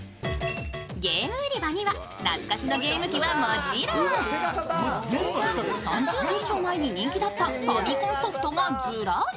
ゲーム売り場には懐かしのゲーム機はもちろん、３０年以上前に人気だったファミコンソフトがずらり。